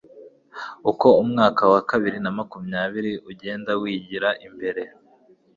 uko umwaka wa bibiri na makumyabiri ugenda wigira imbere